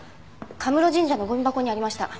かむろ神社のゴミ箱にありました。